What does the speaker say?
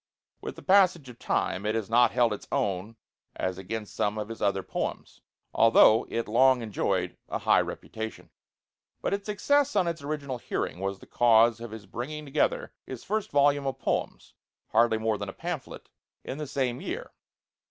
With the passage of time it has not held its own as against some of his other poems, although it long enjoyed a high reputation; but its success on its original hearing was the cause of his bringing together his first volume of poems, hardly more than a pamphlet, in the same year.